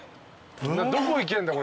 どこ行けんだ？